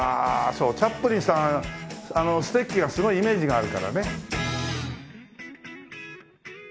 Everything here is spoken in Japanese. そうチャップリンさんステッキがすごいイメージがあるからね。